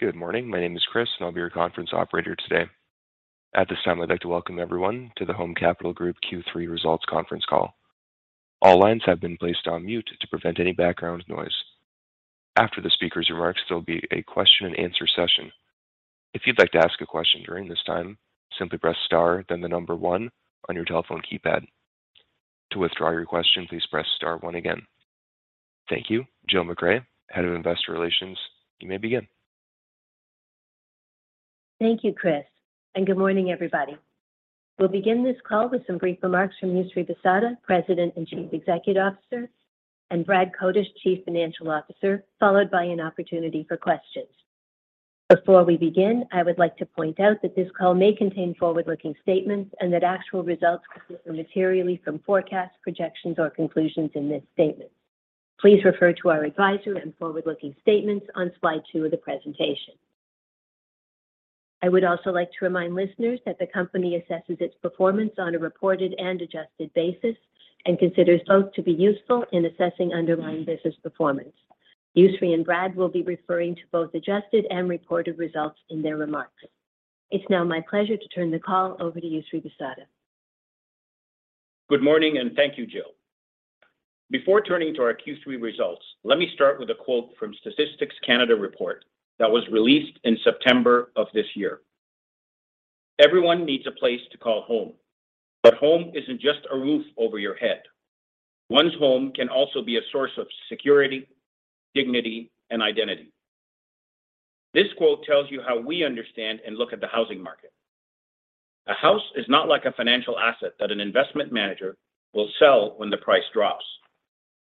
Good morning. My name is Chris, and I'll be your conference operator today. At this time, I'd like to welcome everyone to the Home Capital Group Q3 Results Conference Call. All lines have been placed on mute to prevent any background noise. After the speaker's remarks, there'll be a question and answer session. If you'd like to ask a question during this time, simply press star, then the number one on your telephone keypad. To withdraw your question, please press star one again. Thank you. Jill MacRae, Head of Investor Relations, you may begin. Thank you, Chris, and good morning, everybody. We'll begin this call with some brief remarks from Yousry Bissada, President and Chief Executive Officer, and Brad Kotush, Chief Financial Officer, followed by an opportunity for questions. Before we begin, I would like to point out that this call may contain forward-looking statements and that actual results could differ materially from forecasts, projections, or conclusions in this statement. Please refer to our advisory and forward-looking statements on slide two of the presentation. I would also like to remind listeners that the company assesses its performance on a reported and adjusted basis and considers both to be useful in assessing underlying business performance. Yousry and Brad will be referring to both adjusted and reported results in their remarks. It's now my pleasure to turn the call over to Yousry Bissada. Good morning, and thank you, Jill. Before turning to our Q3 results, let me start with a quote from Statistics Canada report that was released in September of this year. "Everyone needs a place to call home, but home isn't just a roof over your head. One's home can also be a source of security, dignity, and identity." This quote tells you how we understand and look at the housing market. A house is not like a financial asset that an investment manager will sell when the price drops.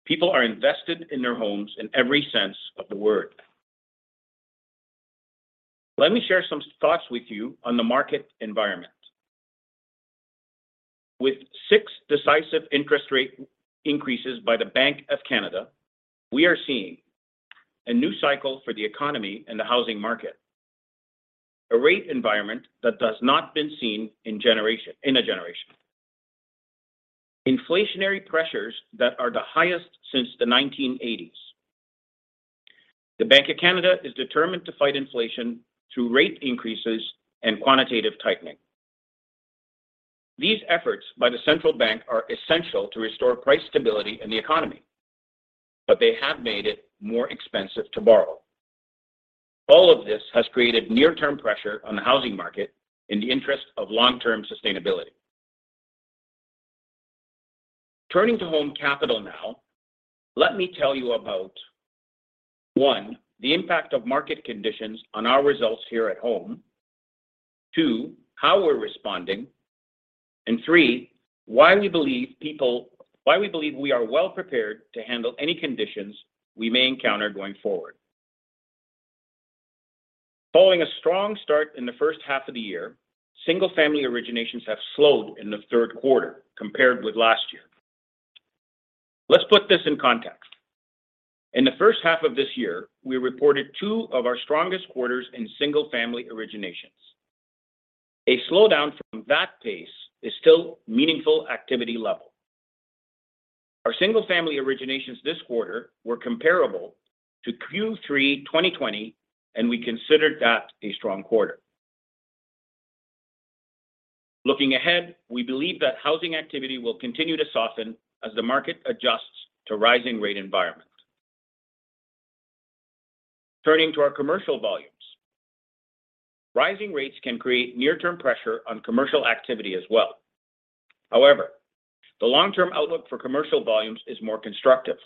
People are invested in their homes in every sense of the word. Let me share some thoughts with you on the market environment. With six decisive interest rate increases by the Bank of Canada, we are seeing a new cycle for the economy and the housing market, a rate environment that has not been seen in a generation. Inflationary pressures that are the highest since the 1980s. The Bank of Canada is determined to fight inflation through rate increases and quantitative tightening. These efforts by the central bank are essential to restore price stability in the economy, but they have made it more expensive to borrow. All of this has created near-term pressure on the housing market in the interest of long-term sustainability. Turning to Home Capital now, let me tell you about, one, the impact of market conditions on our results here at home. Two, how we're responding. Three, why we believe we are well-prepared to handle any conditions we may encounter going forward. Following a strong start in the first half of the year, single-family originations have slowed in the third quarter compared with last year. Let's put this in context. In the first half of this year, we reported two of our strongest quarters in single-family originations. A slowdown from that pace is still meaningful activity level. Our single-family originations this quarter were comparable to Q3-2020, and we considered that a strong quarter. Looking ahead, we believe that housing activity will continue to soften as the market adjusts to rising-rate environment. Turning to our commercial volumes. Rising rates can create near-term pressure on commercial activity as well. However, the long-term outlook for commercial volumes is more constructive.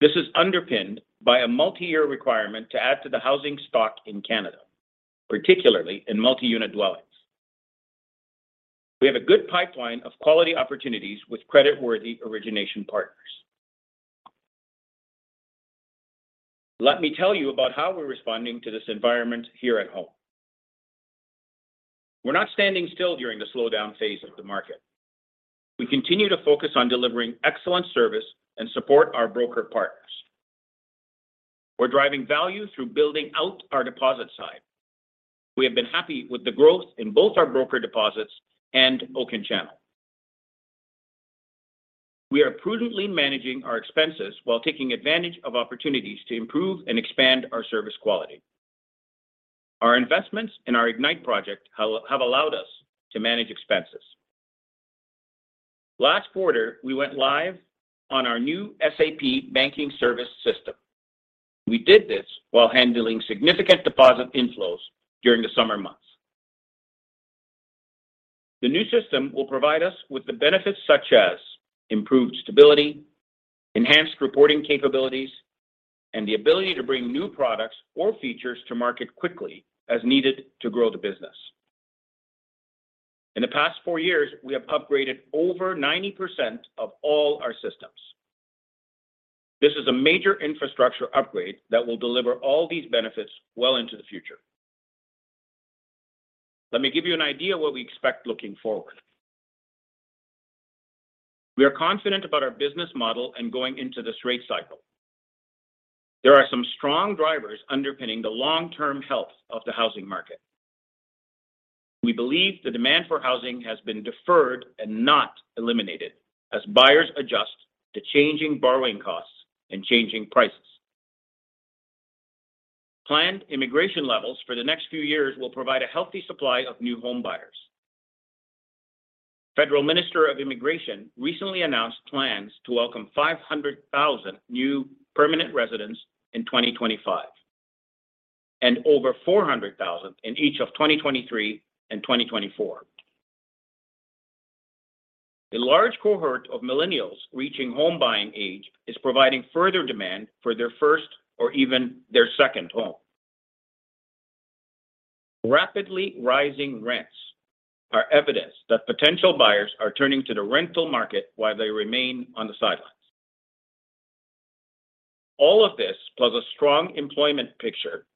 This is underpinned by a multi-year requirement to add to the housing stock in Canada, particularly in multi-unit dwellings. We have a good pipeline of quality opportunities with credit-worthy origination partners. Let me tell you about how we're responding to this environment here at Home. We're not standing still during the slowdown phase of the market. We continue to focus on delivering excellent service and support our broker partners. We're driving value through building out our deposit side. We have been happy with the growth in both our broker deposits and Oaken. We are prudently managing our expenses while taking advantage of opportunities to improve and expand our service quality. Our investments in our Ignite project have allowed us to manage expenses. Last quarter, we went live on our new SAP banking service system. We did this while handling significant deposit inflows during the summer months. The new system will provide us with the benefits such as improved stability, enhanced reporting capabilities, and the ability to bring new products or features to market quickly as needed to grow the business. In the past four years, we have upgraded over 90% of all our systems. This is a major infrastructure upgrade that will deliver all these benefits well into the future. Let me give you an idea what we expect looking forward. We are confident about our business model and going into this rate cycle. There are some strong drivers underpinning the long-term health of the housing market. We believe the demand for housing has been deferred and not eliminated as buyers adjust to changing borrowing costs and changing prices. Planned immigration levels for the next few years will provide a healthy supply of new home buyers. Federal Minister of Immigration recently announced plans to welcome 500,000 new permanent residents in 2025, and over 400,000 in each of 2023 and 2024. A large cohort of millennials reaching home buying age is providing further demand for their first or even their second home. Rapidly rising rents are evidence that potential buyers are turning to the rental market while they remain on the sidelines. All of this plus a strong employment picture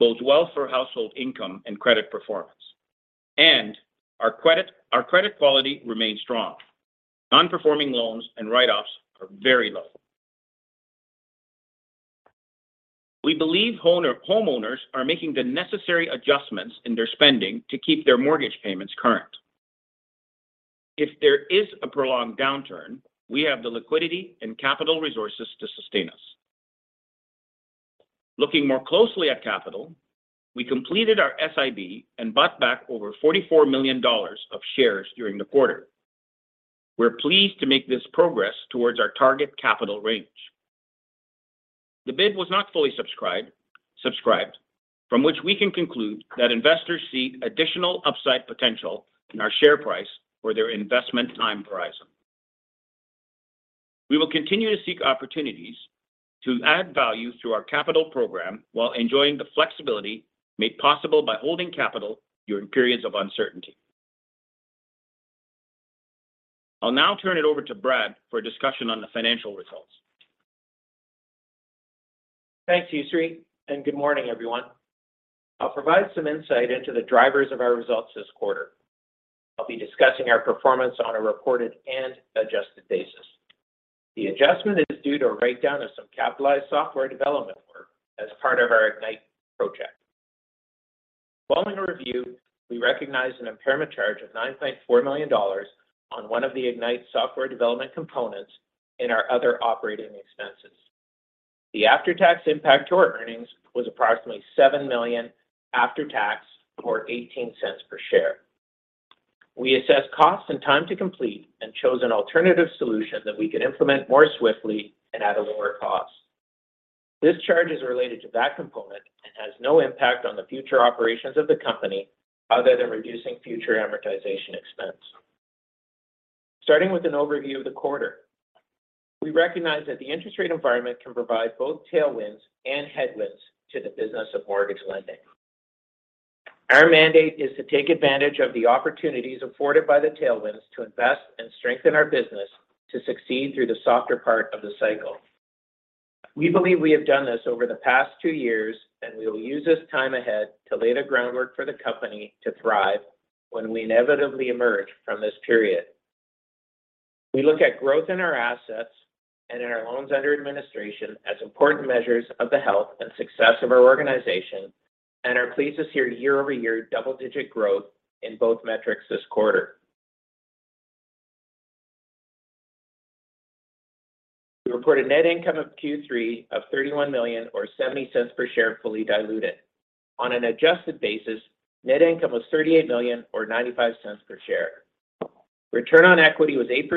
bodes well for household income and credit performance. Our credit quality remains strong. Non-performing loans and write-offs are very low. We believe homeowners are making the necessary adjustments in their spending to keep their mortgage payments current. If there is a prolonged downturn, we have the liquidity and capital resources to sustain us. Looking more closely at capital, we completed our SIB and bought back over 44 million dollars of shares during the quarter. We're pleased to make this progress towards our target capital range. The bid was not fully subscribed, from which we can conclude that investors see additional upside potential in our share price for their investment time horizon. We will continue to seek opportunities to add value through our capital program while enjoying the flexibility made possible by holding capital during periods of uncertainty. I'll now turn it over to Brad for a discussion on the financial results. Thanks, Yousry, and good morning, everyone. I'll provide some insight into the drivers of our results this quarter. I'll be discussing our performance on a reported and adjusted basis. The adjustment is due to a write-down of some capitalized software development work as part of our Ignite project. Following a review, we recognized an impairment charge of 9.4 million dollars on one of the Ignite software development components in our other operating expenses. The after-tax impact to our earnings was approximately 7 million after tax, or 0.18 per share. We assessed costs and time to complete and chose an alternative solution that we could implement more swiftly and at a lower cost. This charge is related to that component and has no impact on the future operations of the company other than reducing future amortization expense. Starting with an overview of the quarter, we recognize that the interest rate environment can provide both tailwinds and headwinds to the business of mortgage lending. Our mandate is to take advantage of the opportunities afforded by the tailwinds to invest and strengthen our business to succeed through the softer part of the cycle. We believe we have done this over the past two years, and we will use this time ahead to lay the groundwork for the company to thrive when we inevitably emerge from this period. We look at growth in our assets and in our loans under administration as important measures of the health and success of our organization and are pleased to see year-over-year double-digit growth in both metrics this quarter. We reported net income of Q3 of 31 million or 0.70 per share fully diluted. On an adjusted basis, net income was 38 million or 0.95 per share. Return on equity was 8%,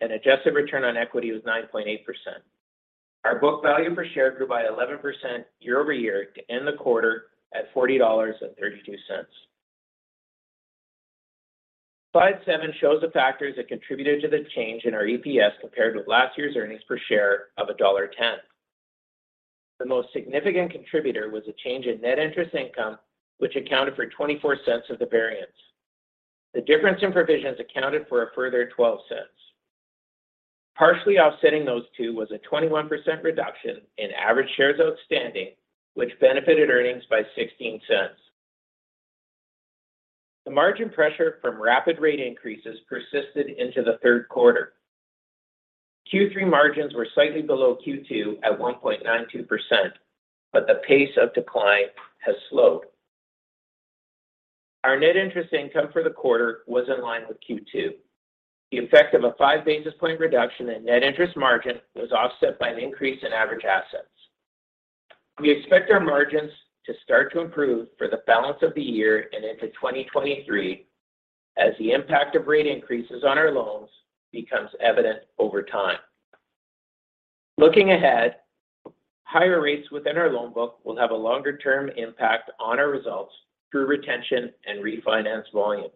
and adjusted return on equity was 9.8%. Our book value per share grew by 11% year-over-year to end the quarter at 40.32 dollars. Slide 7 shows the factors that contributed to the change in our EPS compared with last year's earnings per share of dollar 1.10. The most significant contributor was a change in net interest income, which accounted for 0.24 of the variance. The difference in provisions accounted for a further 0.12. Partially offsetting those two was a 21% reduction in average shares outstanding, which benefited earnings by 0.16. The margin pressure from rapid rate increases persisted into the third quarter. Q3 margins were slightly below Q2 at 1.92%, but the pace of decline has slowed. Our net interest income for the quarter was in line with Q2. The effect of a 5 basis points reduction in net interest margin was offset by an increase in average assets. We expect our margins to start to improve for the balance of the year and into 2023 as the impact of rate increases on our loans becomes evident over time. Looking ahead, higher rates within our loan book will have a longer-term impact on our results through retention and refinance volumes.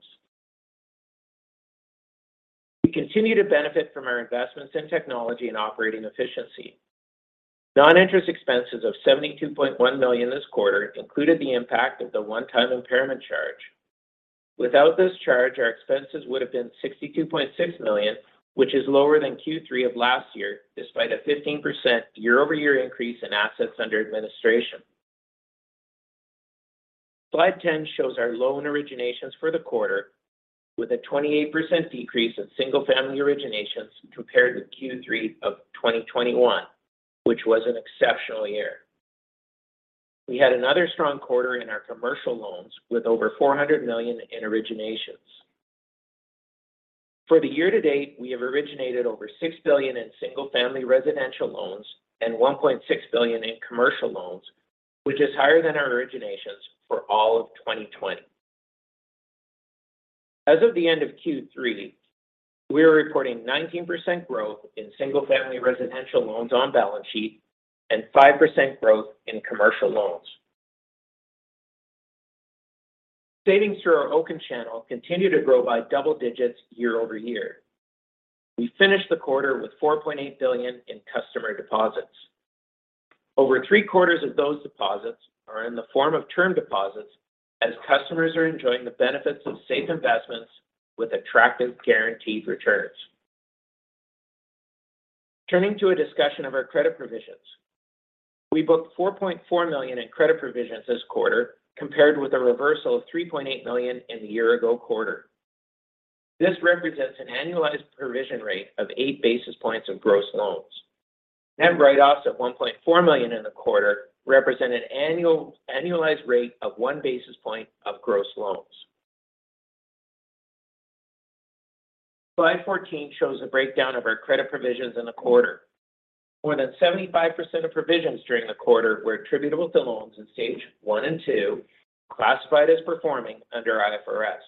We continue to benefit from our investments in technology and operating efficiency. Non-interest expenses of 72.1 million this quarter included the impact of the one-time impairment charge. Without this charge, our expenses would have been 62.6 million, which is lower than Q3 of last year, despite a 15% year-over-year increase in assets under administration. Slide 10 shows our loan originations for the quarter, with a 28% decrease in single-family originations compared with Q3 of 2021, which was an exceptional year. We had another strong quarter in our commercial loans with over 400 million in originations. For the year to date, we have originated over 6 billion in single-family residential loans and 1.6 billion in commercial loans, which is higher than our originations for all of 2020. As of the end of Q3, we are reporting 19% growth in single-family residential loans on balance sheet and 5% growth in commercial loans. Savings through our Oaken channel continue to grow by double digits year over year. We finished the quarter with 4.8 billion in customer deposits. Over three-quarters of those deposits are in the form of term deposits as customers are enjoying the benefits of safe investments with attractive guaranteed returns. Turning to a discussion of our credit provisions. We booked 4.4 million in credit provisions this quarter, compared with a reversal of 3.8 million in the year ago quarter. This represents an annualized provision rate of 8 basis points of gross loans. Net write-offs of 1.4 million in the quarter represent an annualized rate of 1 basis point of gross loans. Slide 14 shows a breakdown of our credit provisions in the quarter. More than 75% of provisions during the quarter were attributable to loans in Stage 1 and 2, classified as performing under IFRS.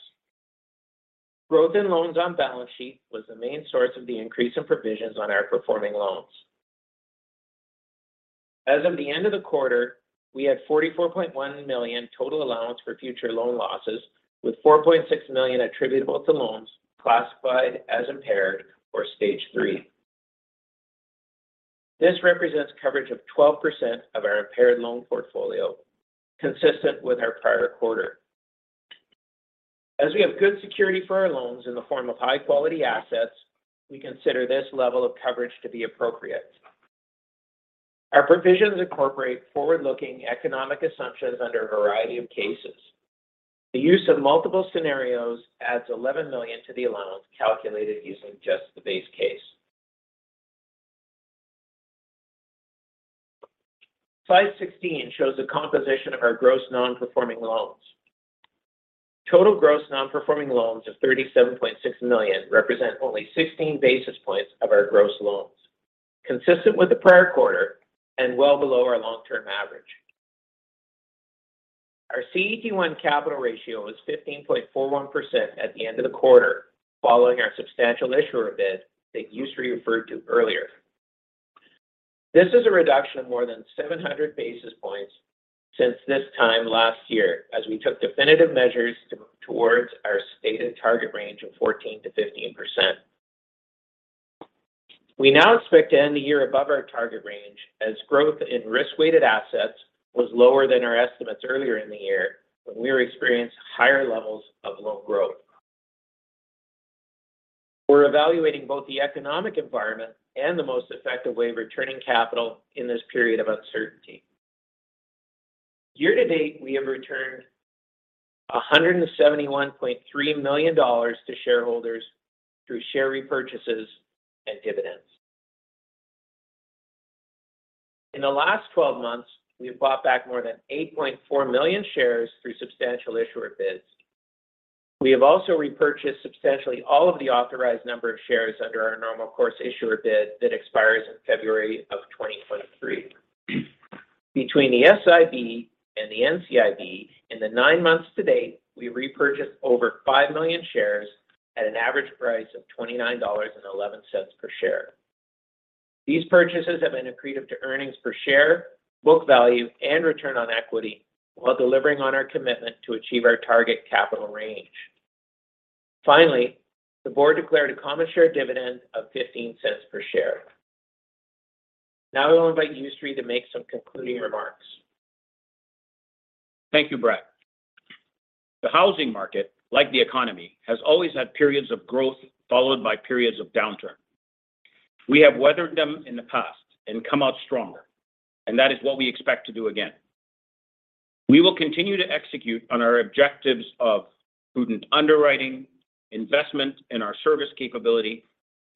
Growth in loans on balance sheet was the main source of the increase in provisions on our performing loans. As of the end of the quarter, we had 44.1 million total allowance for future loan losses, with 4.6 million attributable to loans classified as impaired or Stage 3. This represents coverage of 12% of our impaired loan portfolio, consistent with our prior quarter. As we have good security for our loans in the form of high-quality assets, we consider this level of coverage to be appropriate. Our provisions incorporate forward-looking economic assumptions under a variety of cases. The use of multiple scenarios adds 11 million to the allowance calculated using just the base case. Slide 16 shows the composition of our gross non-performing loans. Total gross non-performing loans of 37.6 million represent only 16 basis points of our gross loans, consistent with the prior quarter and well below our long-term average. Our CET1 capital ratio is 15.41% at the end of the quarter, following our substantial issuer bid that Yousry referred to earlier. This is a reduction of more than 700 basis points since this time last year, as we took definitive measures to move towards our stated target range of 14%-15%. We now expect to end the year above our target range as growth in risk-weighted assets was lower than our estimates earlier in the year when we were experiencing higher levels of loan growth. We're evaluating both the economic environment and the most effective way of returning capital in this period of uncertainty. Year to date, we have returned 171.3 million dollars to shareholders through share repurchases and dividends. In the last 12 months, we have bought back more than 8.4 million shares through substantial issuer bids. We have also repurchased substantially all of the authorized number of shares under our normal course issuer bid that expires in February 2023. Between the SIB and the NCIB, in the nine months to date, we repurchased over 5 million shares at an average price of 29.11 dollars per share. These purchases have been accretive to earnings per share, book value, and return on equity while delivering on our commitment to achieve our target capital range. Finally, the board declared a common share dividend of 0.15 per share. Now I will invite Yousry to make some concluding remarks. Thank you, Brad Kotush. The housing market, like the economy, has always had periods of growth followed by periods of downturn. We have weathered them in the past and come out stronger, and that is what we expect to do again. We will continue to execute on our objectives of prudent underwriting, investment in our service capability,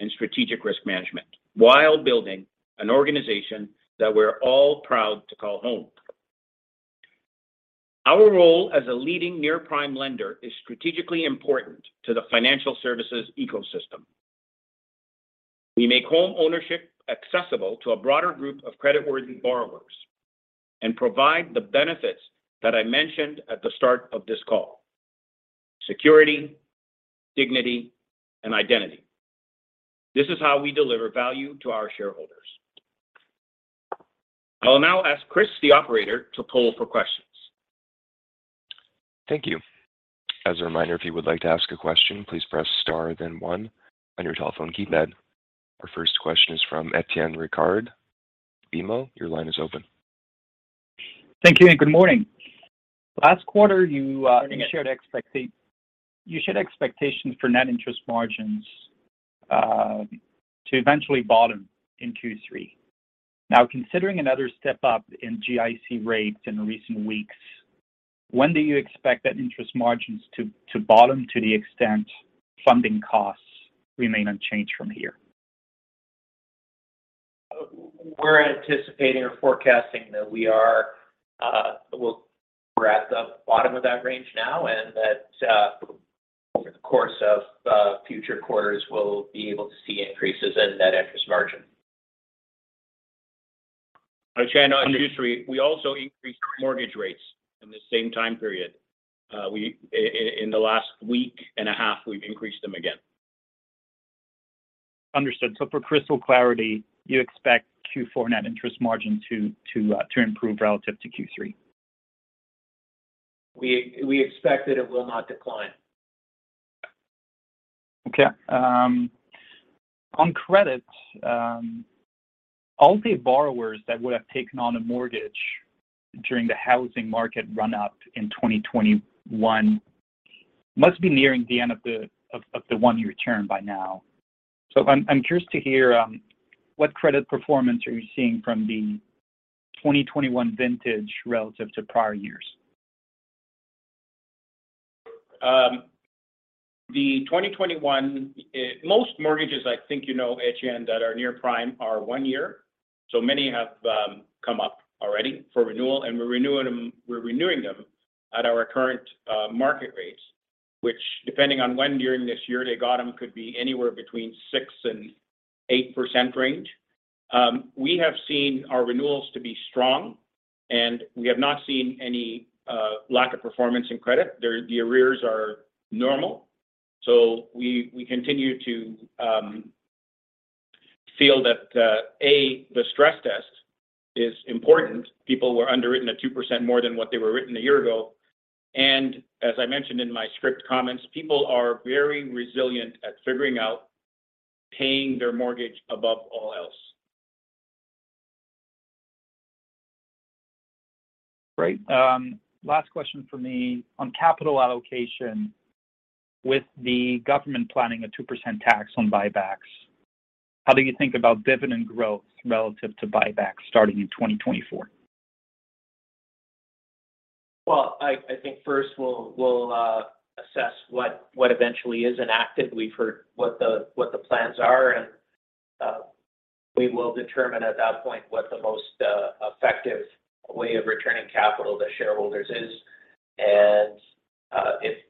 and strategic risk management while building an organization that we're all proud to call home. Our role as a leading near-prime lender is strategically important to the financial services ecosystem. We make home ownership accessible to a broader group of creditworthy borrowers and provide the benefits that I mentioned at the start of this call, security, dignity, and identity. This is how we deliver value to our shareholders. I will now ask Chris, the operator, to poll for questions. Thank you. As a reminder, if you would like to ask a question, please press star then one on your telephone keypad. Our first question is from Etienne Ricard. BMO, your line is open. Thank you and good morning. Last quarter, you shared expectations for net interest margins to eventually bottom in Q3. Now, considering another step up in GIC rates in recent weeks, when do you expect net interest margins to bottom to the extent funding costs remain unchanged from here? We're anticipating or forecasting that we're at the bottom of that range now, and that over the course of future quarters, we'll be able to see increases in net interest margin. I'll chime in on history. We also increased mortgage rates in the same time period. In the last week and a half, we've increased them again. Understood. For crystal clarity, you expect Q4 net interest margin to improve relative to Q3. We expect that it will not decline. On credit, all the borrowers that would have taken on a mortgage during the housing market run up in 2021 must be nearing the end of the one-year term by now. I'm curious to hear what credit performance are you seeing from the 2021 vintage relative to prior years? The 2021 most mortgages, I think you know at GN that are near-prime are one year. Many have come up already for renewal, and we're renewing them at our current market rates, which depending on when during this year they got them, could be anywhere between 6%-8% range. We have seen our renewals to be strong, and we have not seen any lack of performance in credit. The arrears are normal. We continue to feel that the stress test is important. People were underwritten at 2% more than what they were written a year ago. As I mentioned in my script comments, people are very resilient at figuring out paying their mortgage above all else. Great. Last question from me on capital allocation. With the government planning a 2% tax on buybacks, how do you think about dividend growth relative to buybacks starting in 2024? I think first we'll assess what eventually is enacted. We've heard what the plans are, and we will determine at that point what the most effective way of returning capital to shareholders is. If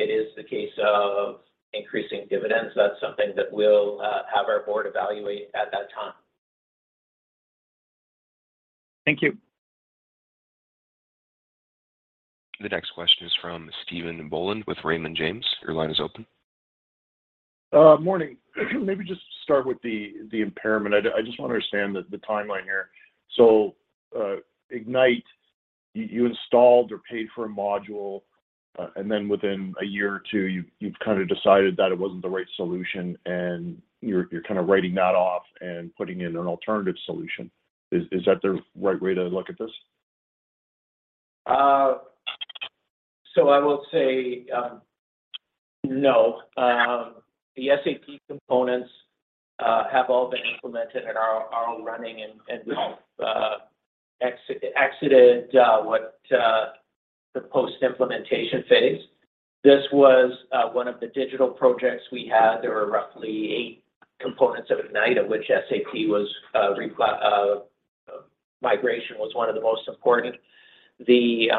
it is the case of increasing dividends, that's something that we'll have our board evaluate at that time. Thank you. The next question is from Stephen Boland with Raymond James. Your line is open. Morning. Maybe just start with the impairment. I just want to understand the timeline here. Ignite, you installed or paid for a module, and then within a year or two, you've kind of decided that it wasn't the right solution, and you're kind of writing that off and putting in an alternative solution. Is that the right way to look at this? I will say no. The SAP components have all been implemented and are all running and exited the post-implementation phase. This was one of the digital projects we had. There were roughly 8 components of Ignite, of which SAP migration was one of the most important. The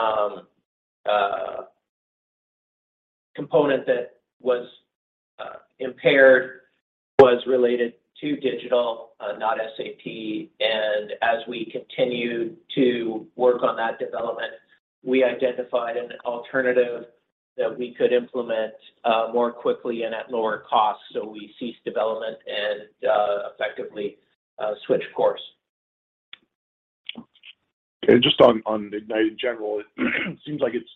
component that was impaired was related to digital, not SAP. As we continued to work on that development, we identified an alternative that we could implement more quickly and at lower cost. We ceased development and effectively switched course. Okay. Just on Ignite in general, it seems like it's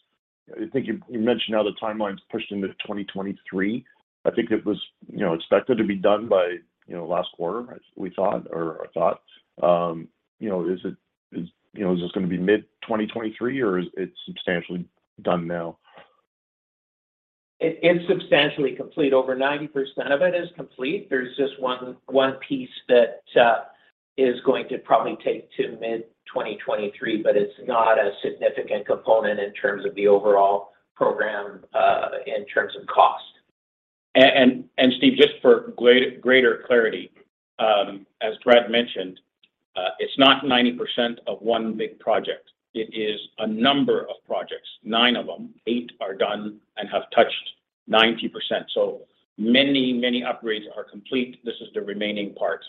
I think you mentioned how the timeline's pushed into 2023. I think it was, you know, expected to be done by, you know, last quarter, as we thought or I thought. You know, is it, you know, is this gonna be mid-2023, or is it substantially done now? It is substantially complete. Over 90% of it is complete. There's just one piece that is going to probably take until mid-2023, but it's not a significant component in terms of the overall program, in terms of cost. Stephen Boland, just for greater clarity, as Brad mentioned, it's not 90% of one big project. It is a number of projects, nine of them. Eight are done and have touched 90%. Many, many upgrades are complete. This is the remaining part.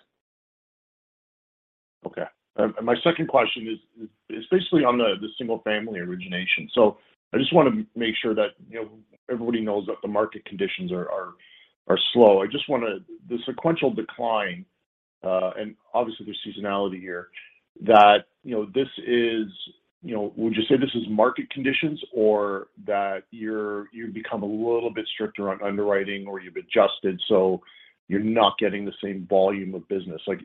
Okay. My second question is basically on the single-family origination. I just wanna make sure that, you know, everybody knows that the market conditions are slow. The sequential decline, and obviously there's seasonality here, that, you know, this is, you know, would you say this is market conditions or that you've become a little bit stricter on underwriting or you've adjusted, so you're not getting the same volume of business? Like,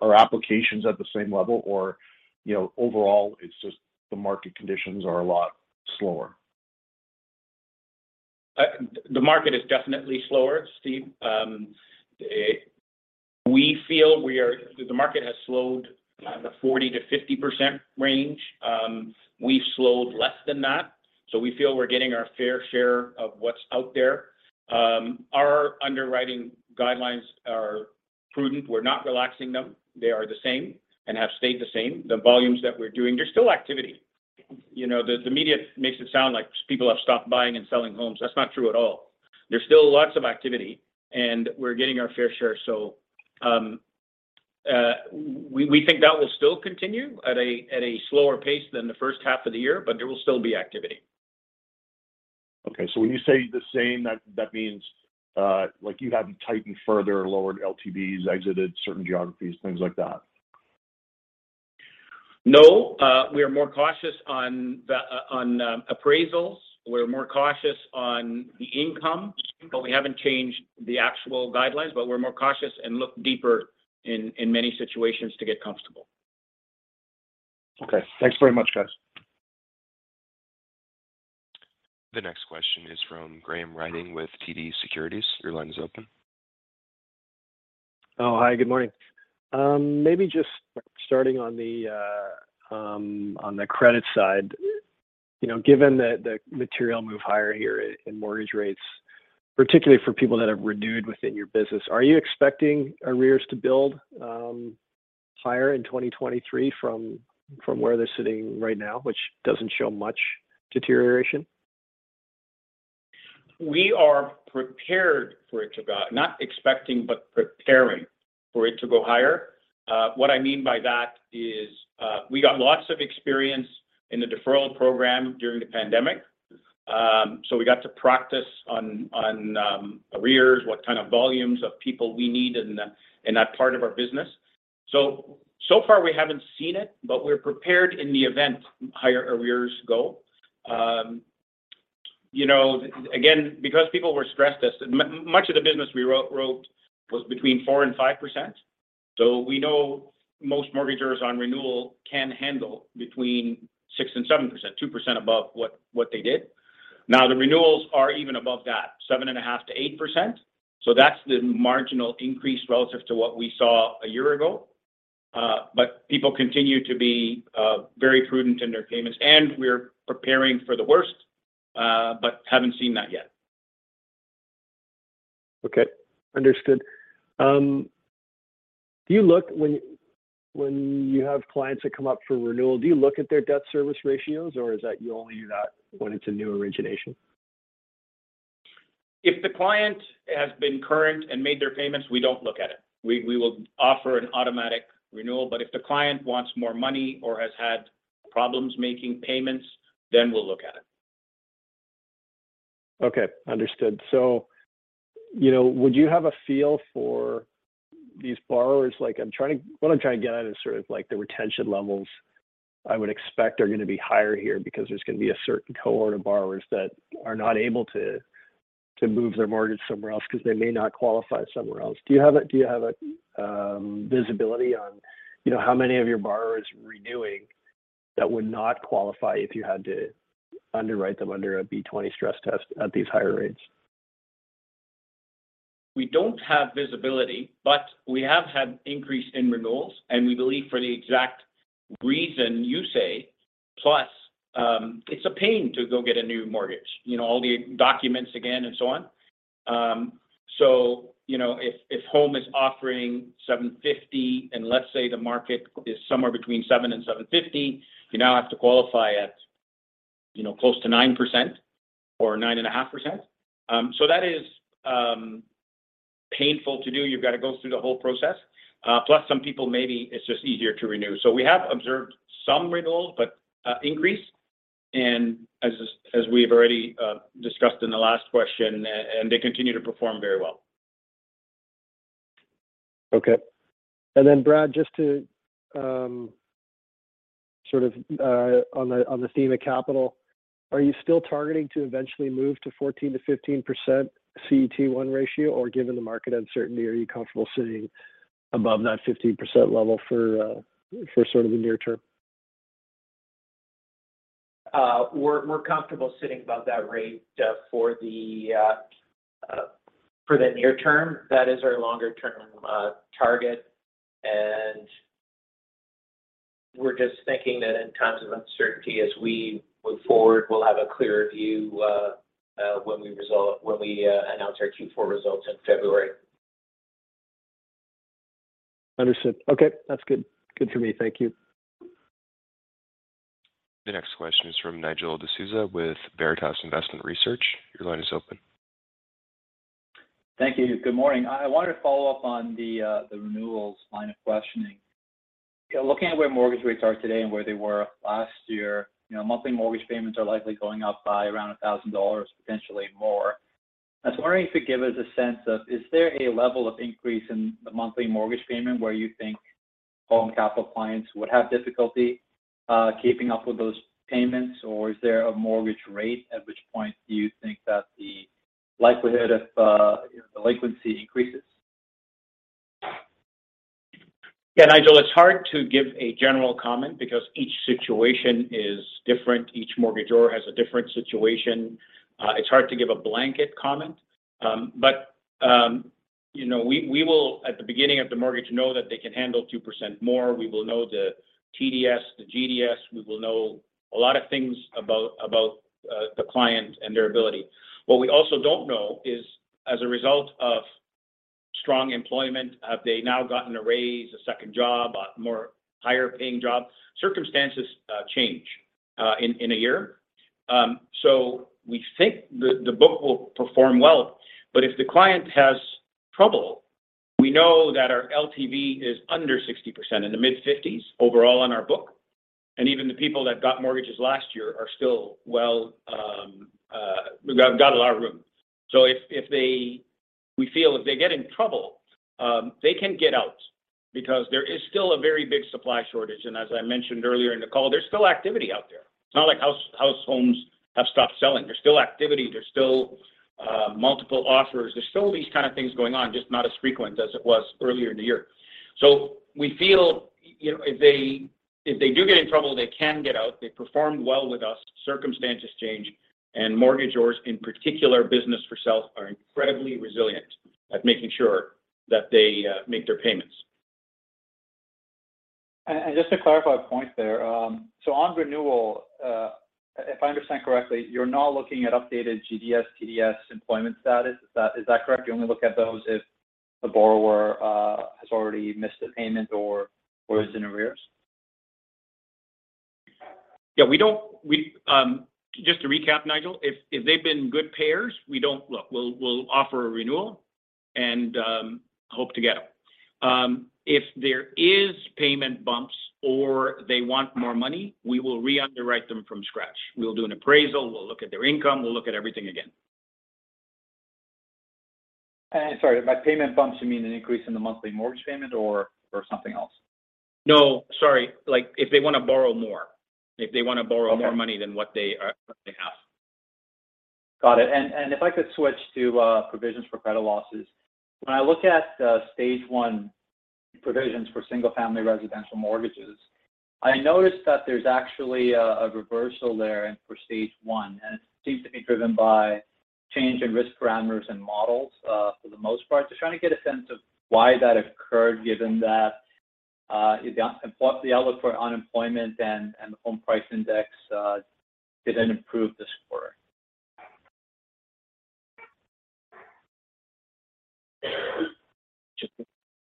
are applications at the same level or, you know, overall it's just the market conditions are a lot slower? The market is definitely slower, Steven. We feel the market has slowed the 40%-50% range. We've slowed less than that. We feel we're getting our fair share of what's out there. Our underwriting guidelines are prudent. We're not relaxing them. They are the same and have stayed the same. The volumes that we're doing, there's still activity. You know, the media makes it sound like people have stopped buying and selling homes. That's not true at all. There's still lots of activity, and we're getting our fair share. We think that will still continue at a slower pace than the first half of the year, but there will still be activity. Okay. When you say the same, that means, like you haven't tightened further or lowered LTVs, exited certain geographies, things like that? No. We are more cautious on the appraisals. We're more cautious on the income. We haven't changed the actual guidelines, but we're more cautious and look deeper in many situations to get comfortable. Okay. Thanks very much, guys. The next question is from Graham Ryding with TD Securities. Your line is open. Oh, hi, good morning. Maybe just starting on the credit side. You know, given the material move higher here in mortgage rates, particularly for people that have renewed within your business, are you expecting arrears to build higher in 2023 from where they're sitting right now, which doesn't show much deterioration? We are prepared for it to go. Not expecting, but preparing for it to go higher. What I mean by that is, we got lots of experience in the deferral program during the pandemic. We got to practice on arrears, what kind of volumes of people we need in that part of our business. So far we haven't seen it, but we're prepared in the event higher arrears go. You know, again, because people were stressed, as much of the business we wrote was between 4%-5%. We know most mortgagors on renewal can handle between 6%-7%, 2% above what they did. Now, the renewals are even above that, 7.5%-8%. That's the marginal increase relative to what we saw a year ago. People continue to be very prudent in their payments, and we're preparing for the worst, but haven't seen that yet. Okay. Understood. Do you look when you have clients that come up for renewal, do you look at their debt service ratios, or is that you only do that when it's a new origination? If the client has been current and made their payments, we don't look at it. We will offer an automatic renewal. If the client wants more money or has had problems making payments, then we'll look at it. Okay. Understood. You know, would you have a feel for these borrowers? Like what I'm trying to get at is sort of like the retention levels I would expect are gonna be higher here because there's gonna be a certain cohort of borrowers that are not able to move their mortgage somewhere else 'cause they may not qualify somewhere else. Do you have a visibility on, you know, how many of your borrowers renewing that would not qualify if you had to underwrite them under a B-20 stress test at these higher rates? We don't have visibility, but we have had increase in renewals, and we believe for the exact reason you say. Plus, it's a pain to go get a new mortgage, you know, all the documents again and so on. You know, if Home is offering 7.50% and let's say the market is somewhere between 7% and 7.50%, you now have to qualify at, you know, close to 9% or 9.5%. That is painful to do. You've got to go through the whole process. Plus some people, maybe it's just easier to renew. We have observed some renewals but increase. As we've already discussed in the last question, and they continue to perform very well. Okay. Brad, just to sort of on the theme of capital, are you still targeting to eventually move to 14%-15% CET1 ratio? Or given the market uncertainty, are you comfortable sitting above that 15% level for sort of the near term? We're comfortable sitting above that rate for the near term. That is our longer-term target. We're just thinking that in times of uncertainty as we move forward, we'll have a clearer view when we announce our Q4 results in February. Understood. Okay. That's good. Good for me. Thank you. The next question is from Nigel D'Souza with Veritas Investment Research. Your line is open. Thank you. Good morning. I wanted to follow up on the renewals line of questioning. Looking at where mortgage rates are today and where they were last year, you know, monthly mortgage payments are likely going up by around 1,000 dollars, potentially more. I was wondering if you could give us a sense of, is there a level of increase in the monthly mortgage payment where you think Home Capital clients would have difficulty keeping up with those payments? Or is there a mortgage rate at which point do you think that the likelihood of, you know, delinquency increases? Yeah, Nigel, it's hard to give a general comment because each situation is different. Each mortgagor has a different situation. It's hard to give a blanket comment. You know, we will, at the beginning of the mortgage, know that they can handle 2% more. We will know the TDS, the GDS. We will know a lot of things about the client and their ability. What we also don't know is, as a result of strong employment, have they now gotten a raise, a second job, a more higher paying job? Circumstances change in a year. We think the book will perform well. If the client has trouble, we know that our LTV is under 60%, in the mid-50s overall on our book. Even the people that got mortgages last year are still well, we've got a lot of room. We feel if they get in trouble, they can get out because there is still a very big supply shortage. As I mentioned earlier in the call, there's still activity out there. It's not like homes have stopped selling. There's still activity. There's still multiple offers. There's still these kind of things going on, just not as frequent as it was earlier in the year. We feel, you know, if they do get in trouble, they can get out. They performed well with us. Circumstances change, and mortgage holders, in particular business for self, are incredibly resilient at making sure that they make their payments. Just to clarify a point there. If I understand correctly, you're not looking at updated GDS, TDS, employment status. Is that correct? You only look at those if the borrower has already missed a payment or is in arrears? Yeah. Just to recap, Nigel, if they've been good payers, look, we'll offer a renewal and hope to get them. If there is payment bumps or they want more money, we will re-underwrite them from scratch. We'll do an appraisal. We'll look at their income. We'll look at everything again. Sorry, by payment bumps, you mean an increase in the monthly mortgage payment or something else? No, sorry. Like, if they want to borrow more. Okay. More money than what they have. Got it. If I could switch to provisions for credit losses. When I look at Stage 1 provisions for single-family residential mortgages, I noticed that there's actually a reversal there and for Stage 1, and it seems to be driven by change in risk parameters and models for the most part. Just trying to get a sense of why that occurred given that the outlook for unemployment and the home price index didn't improve this quarter. Just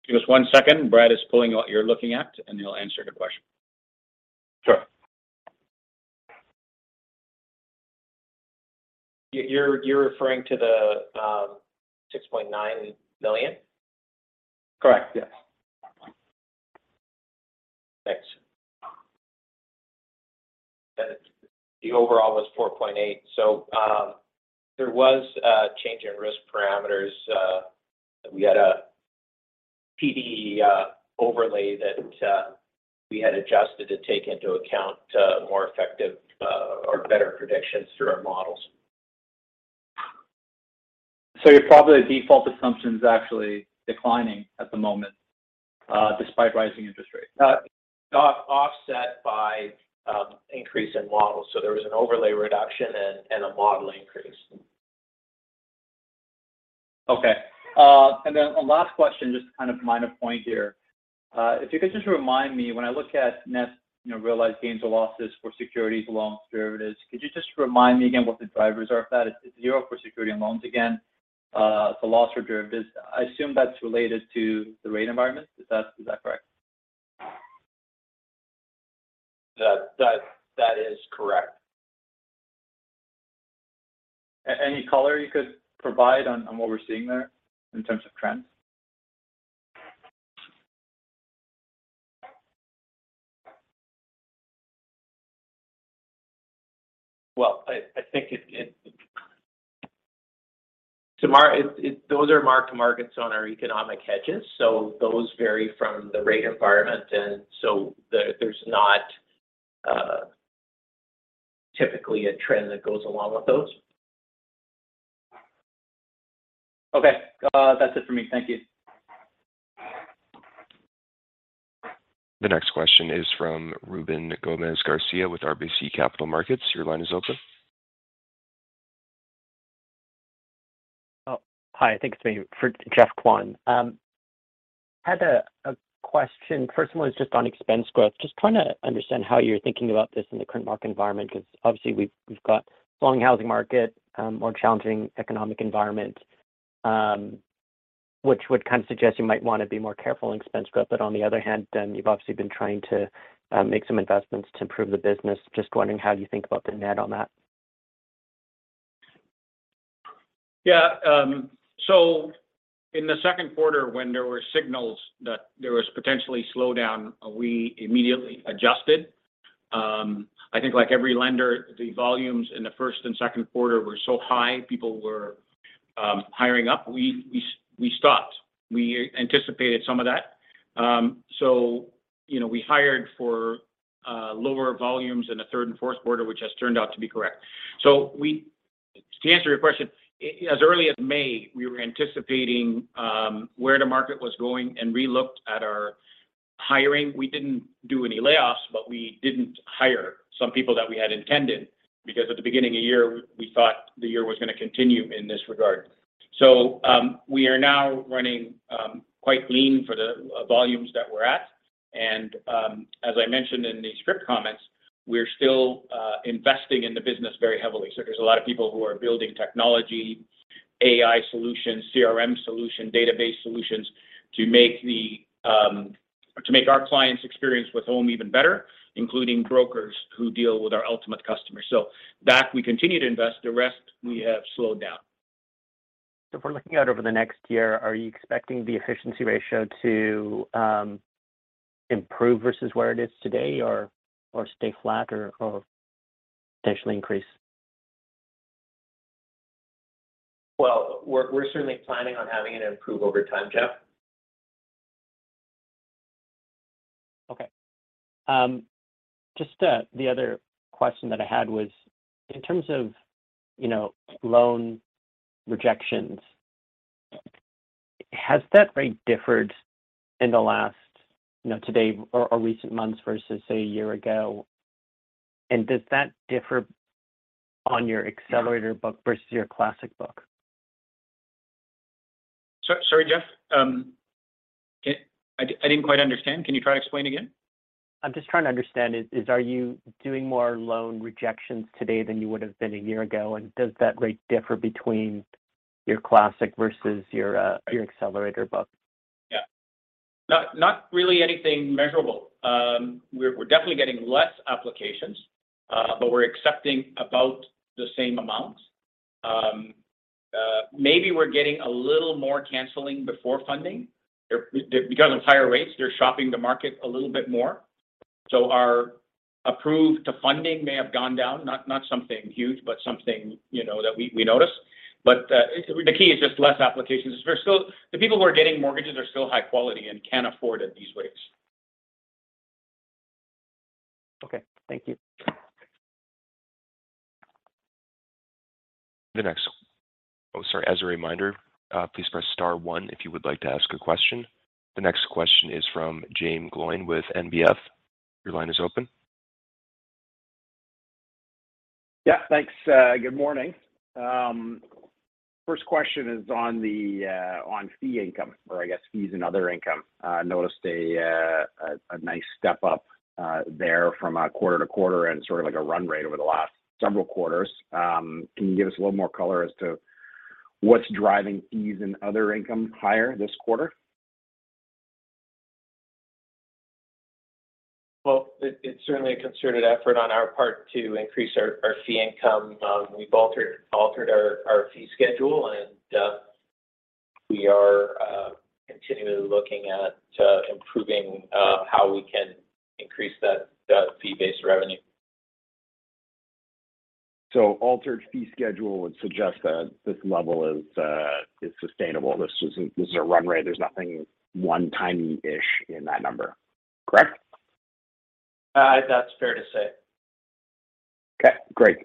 give us one second. Brad is pulling what you're looking at, and he'll answer the question. Sure. You're referring to the 6.9 million? Correct. Yes. Thanks. The overall was 4.8. There was a change in risk parameters. We had a PD overlay that we had adjusted to take into account more effective or better predictions through our models. Your probability of default assumption is actually declining at the moment despite rising interest rates. Offset by increase in models. There was an overlay reduction and a model increase. Okay. A last question, just kind of minor point here. If you could just remind me, when I look at net, you know, realized gains or losses for securities, loans, derivatives, could you just remind me again what the drivers are of that? It's zero for securities and loans again. It's a loss for derivatives. I assume that's related to the rate environment. Is that correct? That is correct. Any color you could provide on what we're seeing there in terms of trends? Well, I think those are mark-to-markets on our economic hedges, so those vary from the rate environment. There's not typically a trend that goes along with those. Okay. That's it for me. Thank you. The next question is from Ruben Gomez-Garcia with RBC Capital Markets. Your line is open. Oh, hi. I think it's maybe for Geoffrey Kwan. Had a question, first one is just on expense growth. Just trying to understand how you're thinking about this in the current market environment, because obviously we've got slowing housing market, more challenging economic environment, which would kind of suggest you might want to be more careful in expense growth. On the other hand then, you've obviously been trying to make some investments to improve the business. Just wondering how you think about the net on that. Yeah. In the second quarter, when there were signals that there was potential slowdown, we immediately adjusted. I think like every lender, the volumes in the first and second quarter were so high, people were hiring up. We stopped. We anticipated some of that. You know, we hired for lower volumes in the third and fourth quarter, which has turned out to be correct. To answer your question, as early as May, we were anticipating where the market was going, and re-looked at our hiring. We didn't do any layoffs, but we didn't hire some people that we had intended because at the beginning of the year, we thought the year was gonna continue in this regard. We are now running quite lean for the volumes that we're at. As I mentioned in the script comments, we're still investing in the business very heavily. There's a lot of people who are building technology, AI solutions, CRM solutions, database solutions to make our clients' experience with Home even better, including brokers who deal with our ultimate customers. That we continue to invest. The rest we have slowed down. If we're looking out over the next year, are you expecting the efficiency ratio to improve versus where it is today or stay flat or potentially increase? Well, we're certainly planning on having it improve over time, Geoffrey Kwan. Okay. Just, the other question that I had was in terms of, you know, loan rejections, has that rate differed in the last, you know, today or recent months versus, say, a year ago? Does that differ on your Accelerator book versus your Classic book? Sorry, Jeff. I didn't quite understand. Can you try to explain again? I'm just trying to understand are you doing more loan rejections today than you would have been a year ago? Does that rate differ between your Classic versus your Accelerator book? Yeah. Not really anything measurable. We're definitely getting less applications, but we're accepting about the same amount. Maybe we're getting a little more canceling before funding. Because of higher rates, they're shopping the market a little bit more. Our approved to funding may have gone down, not something huge, but something, you know, that we notice. The key is just less applications. The people who are getting mortgages are still high quality and can afford it these days. Okay. Thank you. As a reminder, please press star one if you would like to ask a question. The next question is from Jaeme Gloyn with NBF. Your line is open. Yeah, thanks. Good morning. First question is on fee income or I guess fees and other income. I noticed a nice step up there from quarter to quarter and sort of like a run rate over the last several quarters. Can you give us a little more color as to what's driving fees and other income higher this quarter? Well, it's certainly a concerted effort on our part to increase our fee income. We've altered our fee schedule, and we are continually looking at improving how we can increase that fee-based revenue. Altered fee schedule would suggest that this level is sustainable. This is a run rate. There's nothing one-timey-ish in that number. Correct? That's fair to say. Okay, great.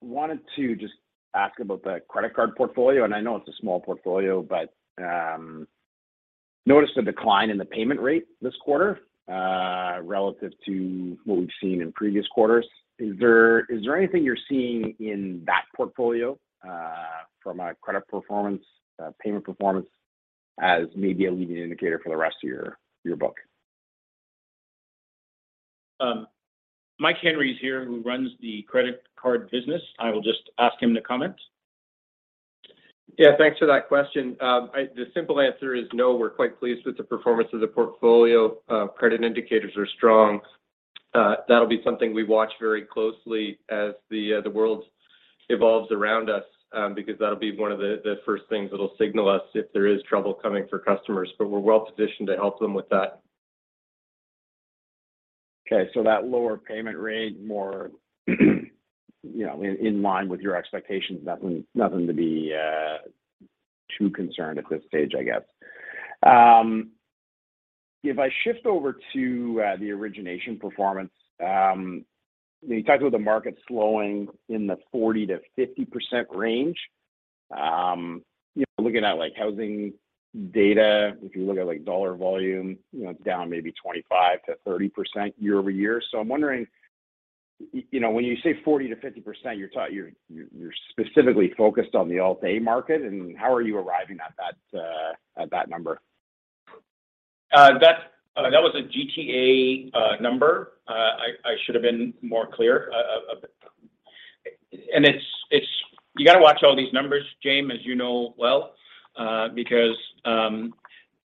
Wanted to just ask about the credit card portfolio, and I know it's a small portfolio, but noticed a decline in the payment rate this quarter relative to what we've seen in previous quarters. Is there anything you're seeing in that portfolio from a credit performance, payment performance as maybe a leading indicator for the rest of your book? Mike Henry is here, who runs the credit card business. I will just ask him to comment. Yeah. Thanks for that question. The simple answer is no, we're quite pleased with the performance of the portfolio. Credit indicators are strong. That'll be something we watch very closely as the world evolves around us, because that'll be one of the first things that'll signal us if there is trouble coming for customers. We're well-positioned to help them with that. Okay. That lower payment rate more, you know, in line with your expectations. Nothing to be too concerned at this stage, I guess. If I shift over to the origination performance, you talked about the market slowing in the 40%-50% range. You know, looking at like housing data, if you look at like dollar volume, you know, it's down maybe 25%-30% year-over-year. I'm wondering, you know, when you say 40%-50%, you're you're specifically focused on the Alt-A market, and how are you arriving at that, at that number? That was a GTA number. I should have been more clear. It's. You gotta watch all these numbers, Jaeme Gloyn, as you know well, because,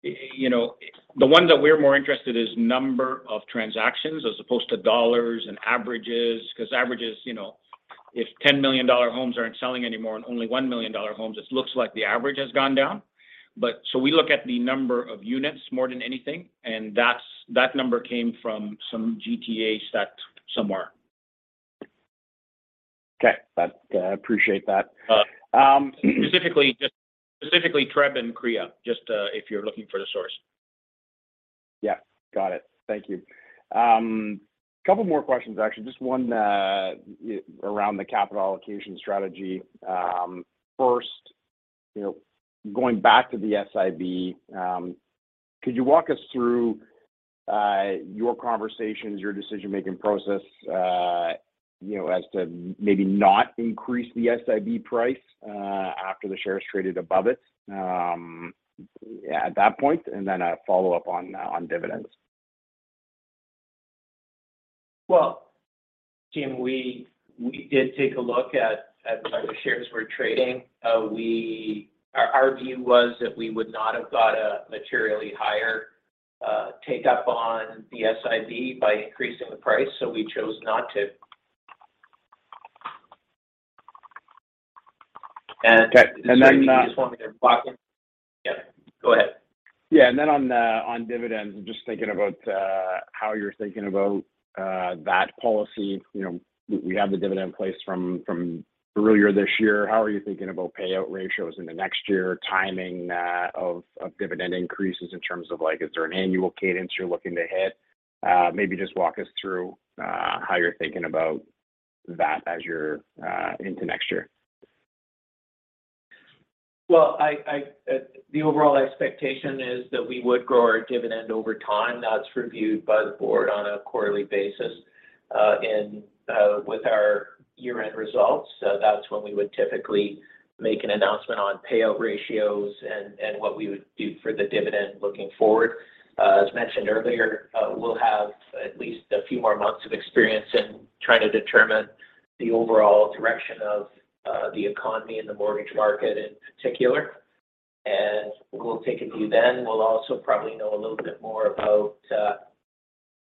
you know, the one that we're more interested is number of transactions as opposed to dollars and averages. 'Cause averages, you know, if 10 million-dollar homes aren't selling anymore and only 1 million-dollar homes, it looks like the average has gone down. We look at the number of units more than anything, and that number came from some GTA stat somewhere. Okay. That, I appreciate that. Uh. Um. Specifically, just TRREB and CREA, if you're looking for the source. Yeah. Got it. Thank you. A couple more questions, actually. Just one around the capital allocation strategy. First, you know, going back to the SIB, could you walk us through your conversations, your decision-making process, you know, as to maybe not increase the SIB price after the shares traded above it at that point? Then a follow-up on dividends. Well, Jim, we did take a look at whether shares were trading. Our view was that we would not have got a materially higher take-up on the SIB by increasing the price, so we chose not to. Okay. You just want me to block in. Yeah, go ahead. Yeah. On dividends, I'm just thinking about how you're thinking about that policy. You know, we have the dividend in place from earlier this year. How are you thinking about payout ratios in the next year, timing of dividend increases in terms of, like, is there an annual cadence you're looking to hit? Maybe just walk us through how you're thinking about that as you're into next year. The overall expectation is that we would grow our dividend over time. That's reviewed by the board on a quarterly basis, and with our year-end results. That's when we would typically make an announcement on payout ratios and what we would do for the dividend looking forward. As mentioned earlier, we'll have at least a few more months of experience in trying to determine the overall direction of the economy and the mortgage market in particular. We'll take a view then. We'll also probably know a little bit more about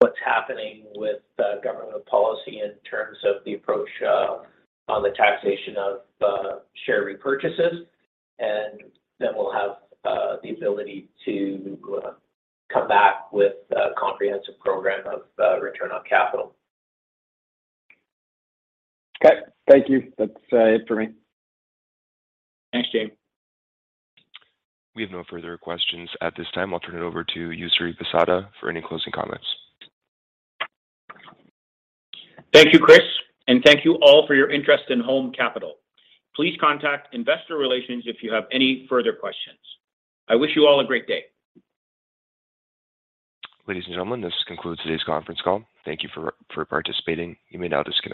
what's happening with the government policy in terms of the approach on the taxation of share repurchases. Then we'll have the ability to come back with a comprehensive program of return on capital. Okay. Thank you. That's it for me. Thanks, Jim. We have no further questions at this time. I'll turn it over to Yousry Bissada for any closing comments. Thank you, Chris, and thank you all for your interest in Home Capital. Please contact investor relations if you have any further questions. I wish you all a great day. Ladies and gentlemen, this concludes today's conference call. Thank you for participating. You may now disconnect.